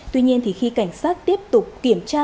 tuy nhiên khi cảnh sát tiếp tục kiểm tra